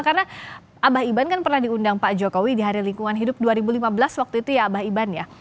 karena abah iban kan pernah diundang pak jokowi di hari lingkungan hidup dua ribu lima belas waktu itu ya abah iban ya